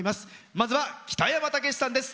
まずは北山たけしさんです。